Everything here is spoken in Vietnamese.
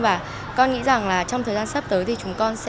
và con nghĩ rằng là trong thời gian sắp tới thì chúng con sẽ